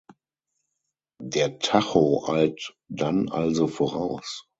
Der Tacho eilt dann also voraus.